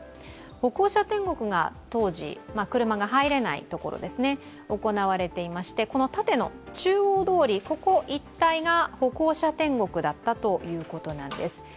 歩行者天国が当時、車が入れない所ですね、行われていまして、この縦の中央通り、ここ一帯が歩行者天国だったということなんです。